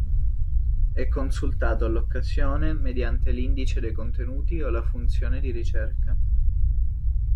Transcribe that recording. È consultato all'occasione mediante l'Indice dei contenuti o la funzione di ricerca.